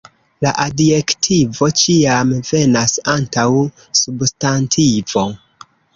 La adjektivo ĉiam venas antaŭ substantivo.